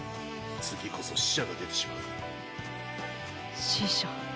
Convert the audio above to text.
次こそ死者が出てしまう。